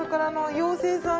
妖精さん！